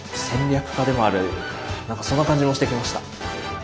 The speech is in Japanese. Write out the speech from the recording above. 何かそんな感じもしてきました。